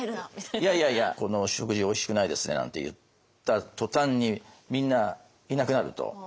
「この食事おいしくないですね」なんて言った途端にみんないなくなると。